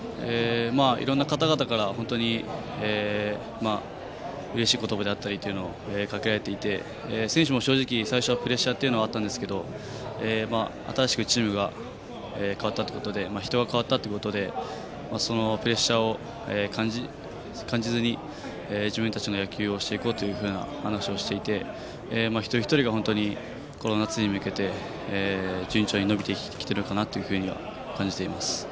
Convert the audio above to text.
いろんな方々からうれしい言葉だったりをかけられていて選手も正直、最初はプレッシャーというのがあったんですが新しくチームが変わったということで人が変わったということでそのプレッシャーを感じずに自分たちの野球をしていこうという話をしていて一人一人がこの夏に向けて順調に伸びてきているのかなと感じています。